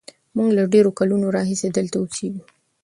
موږ له ډېرو کلونو راهیسې دلته اوسېږو.